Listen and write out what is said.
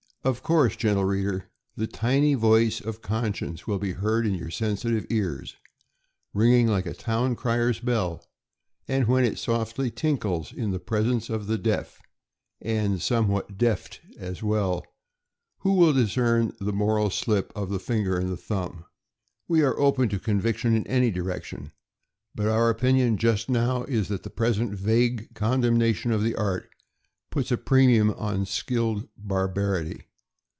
Of course, gentle reader, the tiny voice of conscience will be heard in your sensitive ears, ringing like a town crier's bell; and when it softly tinkles in the presence of the deaf, and somewhat deft as well, who will discern the moral slip of the finger and thumb? We are open to conviction in any direction, but our opinion just now is that the present vague condemnation of the art puts a premium on skilled bar barity.